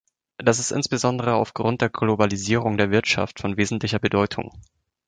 Das ist insbesondere aufgrund der Globalisierung der Wirtschaft von wesentlicher Bedeutung.